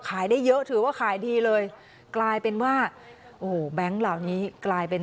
ขายได้เยอะถือว่าขายดีเลยกลายเป็นว่าโอ้โหแบงค์เหล่านี้กลายเป็น